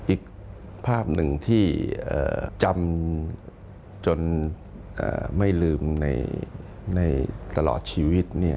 อีกภาพหนึ่งที่จำจนไม่ลืมในตลอดชีวิต